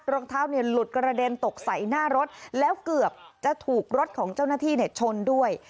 รองเท้าหลุดกระเด็นตกใส่หน้ารถแล้วเกือบจะถูกรถของเจ้าหน้าที่ชนด้วย